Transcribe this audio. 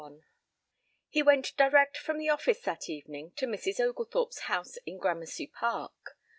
XXXI He went direct from the office that evening to Mrs. Oglethorpe's house in Gramercy Park.